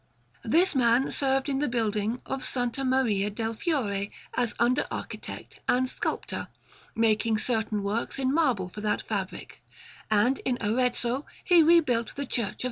This man served in the building of S. Maria del Fiore as under architect and as sculptor, making certain works in marble for that fabric; and in Arezzo he rebuilt the Church of S.